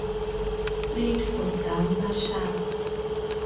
Played for Dampier Sharks.